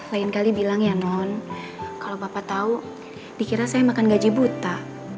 lain kali bilang ya non kalau bapak tahu dikira saya makan gaji buta